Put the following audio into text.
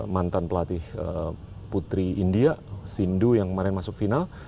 mantan pelatih putri india sindu yang kemarin masuk final